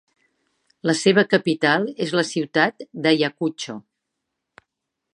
La seva capital és la ciutat d'Ayacucho.